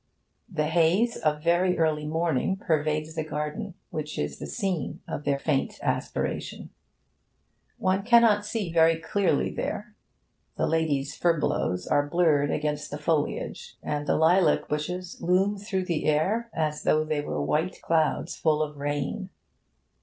The haze of very early morning pervades the garden which is the scene of their faint aspiration. One cannot see very clearly there. The ladies' furbelows are blurred against the foliage, and the lilac bushes loom through the air as though they were white clouds full of rain.